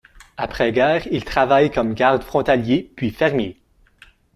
Après guerre il travaille comme garde frontalier puis fermier.